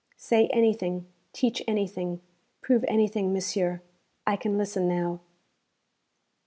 'Say anything, teach anything, prove anything, monsieur; I can listen now.'